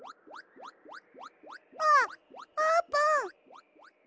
あっあーぷん！